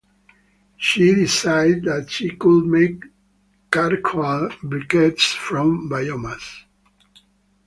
She decided that she could make charcoal briquettes from biomass.